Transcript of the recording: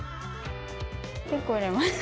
結構入れます。